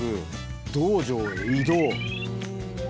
道場へ移動。